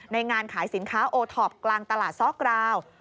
งานขายสินค้าโอท็อปกลางตลาดซ้อกราว